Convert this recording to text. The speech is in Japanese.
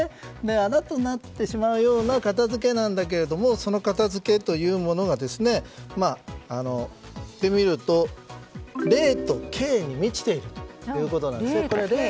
あだとなってしまうような片付けなんだけれどもその片付けというものがいってみると礼と敬に満ちていると。